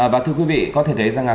và thưa quý vị có thể thấy rằng là